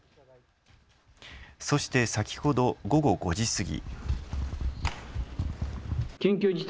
そして先ほど午後５時過ぎ。